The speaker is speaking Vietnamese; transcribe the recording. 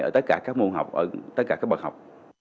ở tất cả các môn học tất cả các bậc học